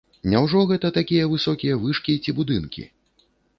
Няўжо гэта такія высокія вышкі ці будынкі?